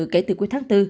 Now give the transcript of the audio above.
kể từ cuối tháng bốn